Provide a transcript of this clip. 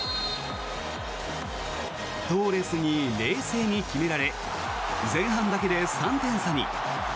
トーレスに冷静に決められ前半だけで３点差に。